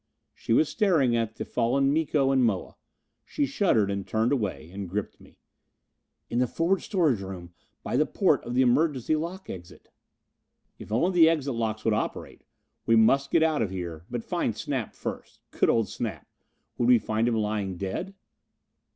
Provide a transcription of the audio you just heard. She was staring at the fallen Miko and Moa. She shuddered and turned away and gripped me. "In the forward storage room, by the port of the emergency lock exit." If only the exit locks would operate! We must get out of here, but find Snap first. Good old Snap! Would we find him lying dead?